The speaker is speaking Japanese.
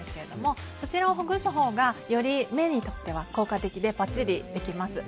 そちらをほぐすほうがより目にとっては効果的でパッチリできます。